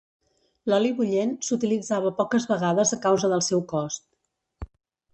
L'oli bullent s'utilitzava poques vegades a causa del seu cost.